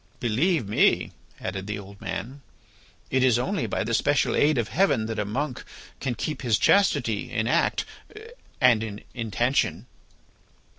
"Believe me," added the old man, "it is only by the special aid of Heaven that a monk can keep his chastity in act and in intention."